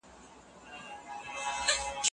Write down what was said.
ایا ته په خپله موضوع کي کوم نوښت کړی دی؟